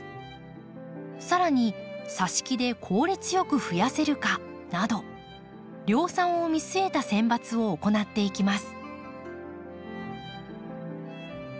さらに挿し木で効率よく増やせるかなど量産を見据えた選抜を行っていきます。